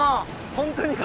本当に角。